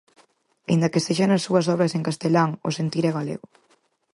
Aínda que sexa nas súas obras en castelán, o sentir é galego.